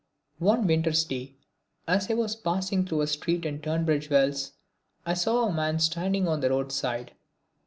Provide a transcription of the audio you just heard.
One winter's day, as I was passing through a street in Tunbridge Wells, I saw a man standing on the road side.